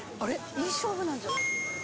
いい勝負なんじゃ。